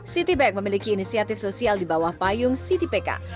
citibank memiliki inisiatif sosial di bawah payung citi pekak